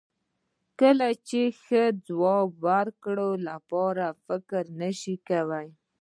کله چې د ښه ځواب ورکولو لپاره فکر نشې کولای.